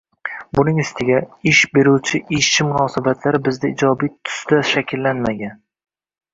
Buning ustiga, ish beruvchi-ishchi munosabatlari bizda ijobiy tusda shakllanmagan